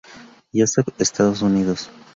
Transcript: Joseph, Estados Unidos.